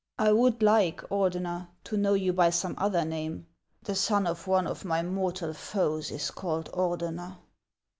I would like, Ordener. to know you by some other name. The son of one of my mortal foes is called Ordener."